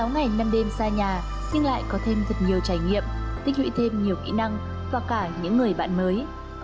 sáu ngày năm đêm xa nhà nhưng lại có thêm thật nhiều trải nghiệm tích lũy thêm nhiều kỹ năng và cả những người bạn mới